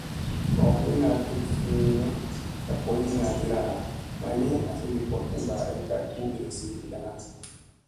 Gorbina tut fi ni ka boyogina dira naa, may ni azi wi gor kemba ay ka u iirizi ɗi daŋŋa.